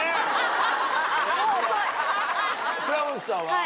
倉持さんは？